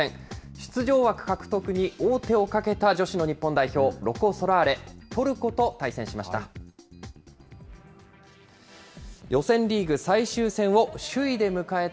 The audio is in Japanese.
出場枠獲得に王手をかけた女子の日本代表、ロコ・ソラーレ、トルコと対戦しました。